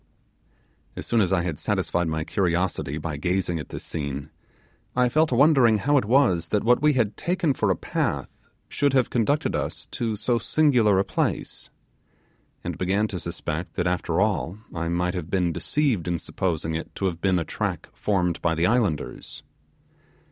As soon as I had satisfied my curiosity by gazing at this scene, I fell to wondering how it was that what we had taken for a path should have conducted us to so singular a place, and began to suspect that after all I might have been deceived in supposing it to have been a trick formed by the islanders.